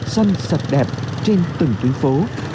xanh sạch đẹp trên từng tuyến phố